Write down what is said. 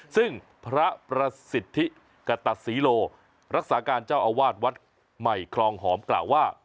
ซึ่งพระประสิทธิกตศรีโลรักษาการเจ้าอาวาสวัดใหม่คลองหอมกล่าวว่า